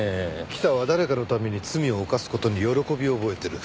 北は誰かのために罪を犯す事に喜びを覚えている。